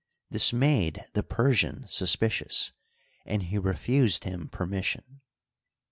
This made the Persian sus Eicious, and he refused him permission.